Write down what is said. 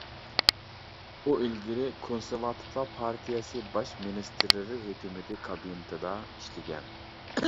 ئۇ ئىلگىرى كونسېرۋاتىپلار پارتىيەسى باش مىنىستىرلىرى ھۆكۈمىتى كابىنېتىدا ئىشلىگەن.